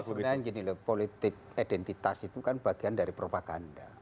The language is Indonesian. sebenarnya gini loh politik identitas itu kan bagian dari propaganda